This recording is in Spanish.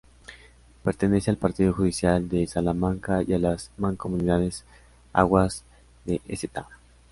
Pertenece al partido judicial de Salamanca y a las mancomunidades Aguas de Sta.